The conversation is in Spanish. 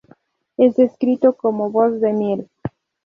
Es descrito como voz de miel.